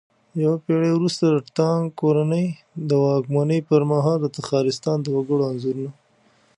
يوه پېړۍ وروسته د تانگ کورنۍ د واکمنۍ پرمهال د تخارستان د وگړو انځورونه